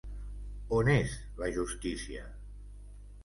On és la justícia?